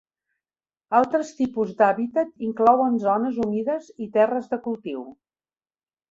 Altres tipus d'hàbitat inclouen zones humides i terres de cultiu.